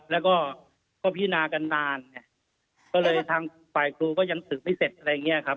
แล้วก็ก็พินากันนานไงก็เลยทางฝ่ายครูก็ยังสืบไม่เสร็จอะไรอย่างเงี้ยครับ